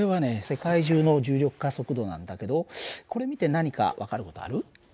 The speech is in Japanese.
世界中の重力加速度なんだけどこれ見て何か分かる事ある？